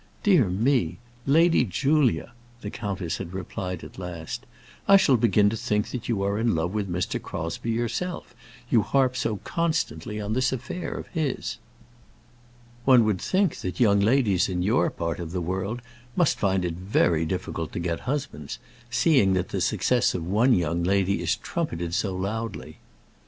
"Dear me! Lady Julia," the countess had replied at last, "I shall begin to think you are in love with Mr. Crosbie yourself; you harp so constantly on this affair of his. One would think that young ladies in your part of the world must find it very difficult to get husbands, seeing that the success of one young lady is trumpeted so loudly."